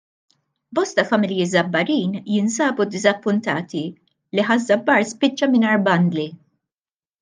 Bosta familji Żabbarin jinsabu ddiżappuntati li Ħaż - Żabbar spiċċa mingħajr bandli.